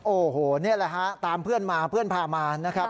โอ้โหนี่แหละฮะตามเพื่อนมาเพื่อนพามานะครับ